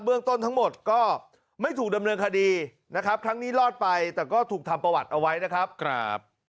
เรื่องต้นทั้งหมดก็ไม่ถูกดำเนินคดีนะครับครั้งนี้รอดไปแต่ก็ถูกทำประวัติเอาไว้นะครับ